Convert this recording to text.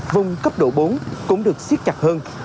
vùng cấp độ bốn cũng được xiết chặt hơn